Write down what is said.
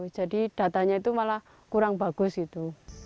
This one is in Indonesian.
jadi datanya itu malah kurang bagus gitu